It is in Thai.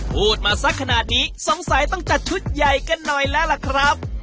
พูดมาสักขนาดนี้สงสัยต้องจัดชุดใหญ่กันหน่อยแล้วล่ะครับ